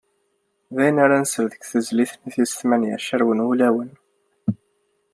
D ayen ara nsel deg tezlit-nni tis tmanya “Carwen wulawen."